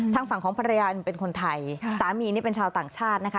ทางฝั่งของภรรยาเป็นคนไทยสามีนี่เป็นชาวต่างชาตินะคะ